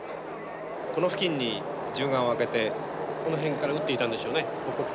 この付近に銃眼を開けてこの辺から撃っていたんでしょうね。